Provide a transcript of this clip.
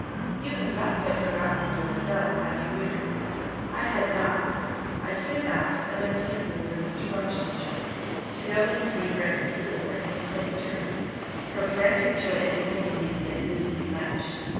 You have not quite forgotten little Adèle, have you, reader? I had not; I soon asked and obtained leave of Mr. Rochester, to go and see her at the school where he had placed her. Her frantic joy at beholding me again moved me much.